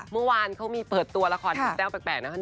เมื่อวานเขามีเปิดตัวละครแปลกนะ